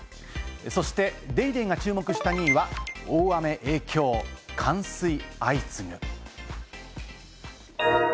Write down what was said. そして『ＤａｙＤａｙ．』が注目した２位は、大雨影響、冠水相次ぐ。